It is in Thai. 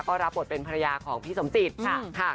ก็รับบทเป็นภรรยาของพี่สมจิตค่ะ